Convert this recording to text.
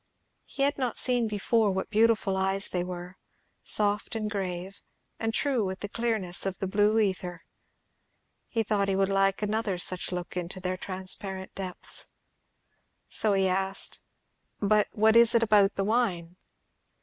He had not seen before what beautiful eyes they were; soft and grave, and true with the clearness of the blue ether. He thought he would like another such look into their transparent depths. So he asked, "But what is it about the wine?"